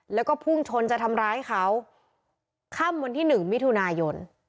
แล้วก็พุ่งชนจะทำร้ายเขาค่ำวันที่หนึ่งมิถุนายน